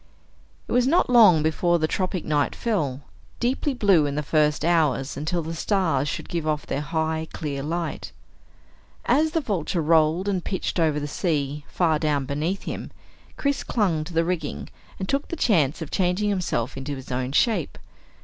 It was not long before the tropic night fell, deeply blue in the first hours until the stars should give off their high clear light. As the Vulture rolled and pitched over the sea far down beneath him, Chris clung to the rigging and took the chance of changing himself into his own shape.